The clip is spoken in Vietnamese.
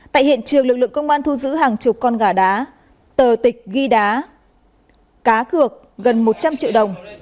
tại hiện trường lực lượng công an thu giữ hàng chục con gà đá tờ tịch ghi đá cá cược gần một trăm linh triệu đồng